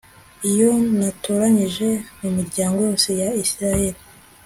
iyo natoranyije mu miryango yose ya Isirayeli